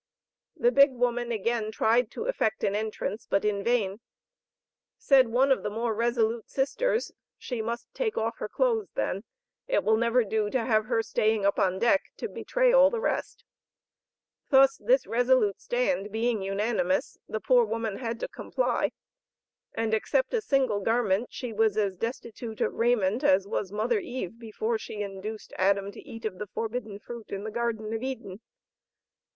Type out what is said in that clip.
The big woman again tried to effect an entrance, but in vain. Said one of the more resolute sisters "she must take off her clothes then, it will never do to have her staying up on deck to betray all the rest;" thus this resolute stand being unanimous, the poor woman had to comply, and except a single garment she was as destitute of raiment as was Mother Eve before she induced Adam to eat of the forbidden fruit in the garden of Eden.